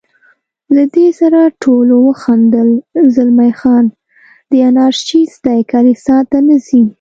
له دې سره ټولو وخندل، زلمی خان: دی انارشیست دی، کلیسا ته نه ځي.